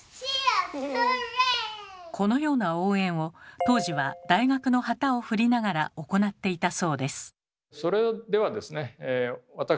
このような応援を当時は大学の旗を振りながら行っていたそうです。